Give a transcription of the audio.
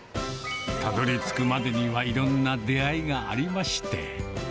たどりつくまでにはいろんな出会いがありまして。